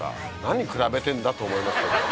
何比べてんだと思いますけど。